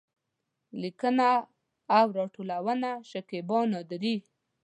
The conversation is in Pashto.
لیکنه او راټولونه: شکېبا نادري